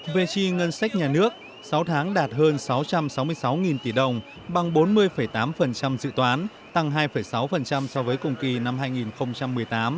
về chi ngân sách nhà nước sáu tháng đạt hơn sáu trăm sáu mươi sáu tỷ đồng bằng bốn mươi tám dự toán tăng hai sáu so với cùng kỳ năm hai nghìn một mươi tám